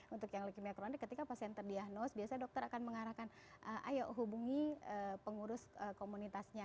untuk yang leukemia kronik ketika pasien terdiagnos biasanya dokter akan mengarahkan ayo hubungi pengurus komunitasnya